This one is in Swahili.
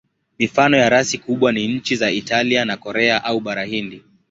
Mifano ya rasi kubwa ni nchi za Italia na Korea au Bara Hindi.